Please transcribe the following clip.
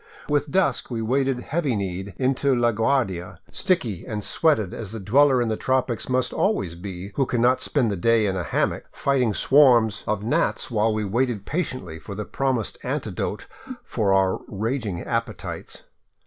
With dusk we waded heavy kneed into La Guardia, sticky and sweated as the dweller in the tropics must always be who cannot spend the day in a hammock ; fighting swarms 540 ON FOOT ACROSS TROPICAL BOLIVIA of gnats while we waited patiently for the promised antidote for our raging appetites.